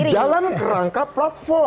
di dalam rangka platform